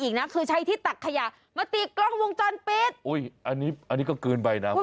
กล้องวงจรปิดอุ๊ยอันนี้ก็เกินใบน้ำค่ะ